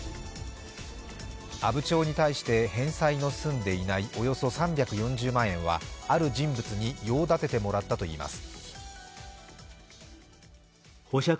阿武町に対して返済の済んでいないおよそ３４０万円はある人物に用立ててもらったといいます。